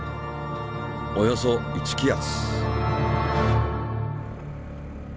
およそ１気圧。